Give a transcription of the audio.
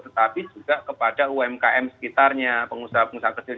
tetapi juga kepada umkm sekitarnya pengusaha pengusaha kecil